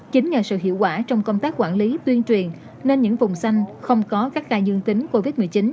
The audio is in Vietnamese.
chính nhờ sự hiệu quả trong công tác quản lý tuyên truyền nên những vùng xanh không có các ca dương tính covid một mươi chín